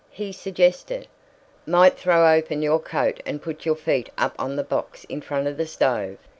He suggested, "Might throw open your coat and put your feet up on the box in front of the stove."